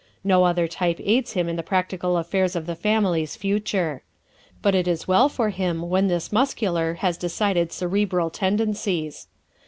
No other type aids him in the practical affairs of the family's future. But it is well for him when this Muscular has decided Cerebral tendencies.